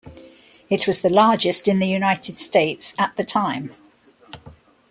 It was the largest in the United States at the time.